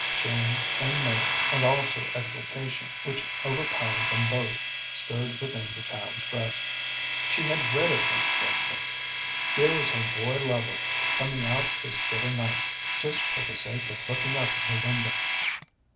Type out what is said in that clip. Shame, and mirth, and also exultation, which overpowered them both, stirred within the child's breast. She had read of things like this. Here was her boy lover coming out this bitter night just for the sake of looking up at her window.